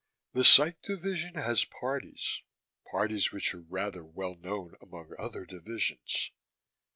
"The Psych division has parties, parties which are rather well known among other divisions.